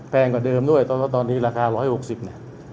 แพงกว่าเดิมด้วยเพราะว่าตอนนี้ราคา๑๖๐เนี่ย